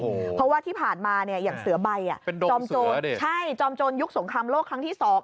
เพราะว่าที่ผ่านมาเนี่ยอย่างเสือใบอ่ะจอมโจรใช่จอมโจรยุคสงครามโลกครั้งที่สอง